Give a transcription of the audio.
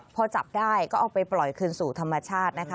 พอจับได้ก็เอาไปปล่อยคืนสู่ธรรมชาตินะคะ